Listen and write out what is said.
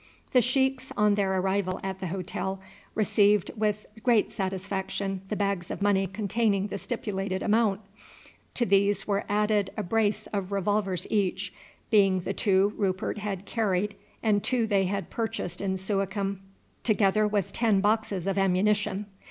The sheiks on their arrival at the hotel received with great satisfaction the bags of money containing the stipulated amount. To these were added a brace of revolvers each, being the two Rupert had carried and two they had purchased in Suakim, together with ten boxes of ammunition.